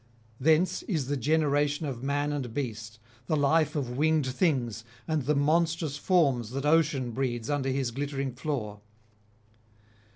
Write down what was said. Thence is the generation of man and beast, the life of winged things, and the monstrous forms that ocean breeds under his glittering floor.